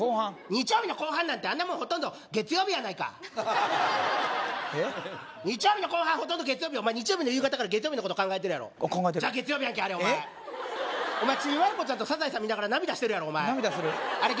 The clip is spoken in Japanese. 日曜日の後半なんてあんなもんほとんど月曜日やないかえっ日曜日の後半ほとんど月曜日お前日曜日の夕方から月曜日のこと考えてるやろ考えてるじゃあ月曜日やんけあれお前お前「ちびまる子ちゃん」と「サザエさん」見ながら涙してるやろ涙するあれ